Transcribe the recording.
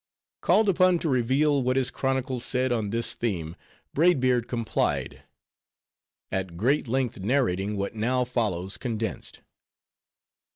Called upon to reveal what his chronicles said on this theme, Braid Beard complied; at great length narrating, what now follows condensed.